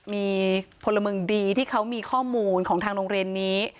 มีพลเมืองดีที่เขามีข้อมูลของทางโรงเรียนนี้